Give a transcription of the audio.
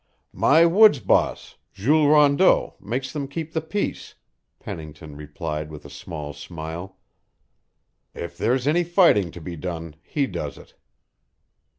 "My woods boss, Jules Rondeau, makes them keep the peace," Pennington replied with a small smile. "If there's any fighting to be done, he does it."